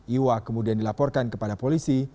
iwa kemudian dilaporkan kepada polisi